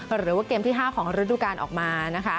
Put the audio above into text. หรือว่าเกมที่๕ของฤดูการออกมานะคะ